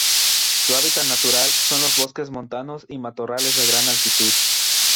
Su hábitat natural son los bosques montanos y matorrales de gran altitud..